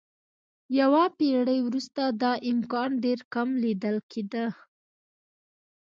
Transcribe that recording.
یوه پېړۍ وروسته دا امکان ډېر کم لیدل کېده.